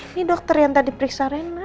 ini dokter yang tadi periksa rena